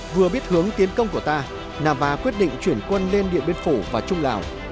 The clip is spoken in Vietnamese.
vừa biết hướng tiến công của ta nava quyết định chuyển quân lên địa biên phủ và trung lào